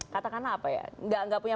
katakanlah apa ya nggak punya